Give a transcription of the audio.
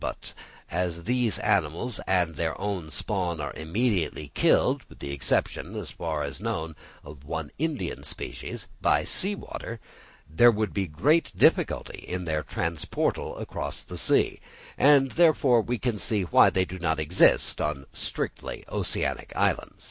But as these animals and their spawn are immediately killed (with the exception, as far as known, of one Indian species) by sea water, there would be great difficulty in their transportal across the sea, and therefore we can see why they do not exist on strictly oceanic islands.